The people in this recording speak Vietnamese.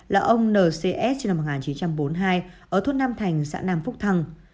là ông n c s năm một nghìn chín trăm bốn mươi hai ở thuốc nam thành xã nam phúc thăng